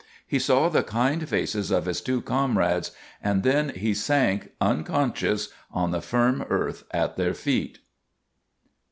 He saw the kind faces of his two comrades, and then he sank unconscious on the firm earth at their feet.